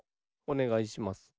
おねがいします。